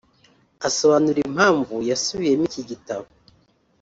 Asobanura impamvu yasubiyemo iki gitabo